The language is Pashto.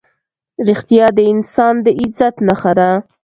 رښتیا د انسان د عزت نښه ده.